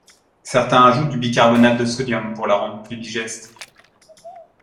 Certains ajoutent du bicarbonate de sodium pour la rendre plus digeste.